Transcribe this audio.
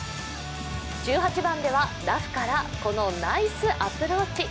１８番ではラフからこのナイスアプローチ。